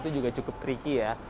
itu juga cukup tricky ya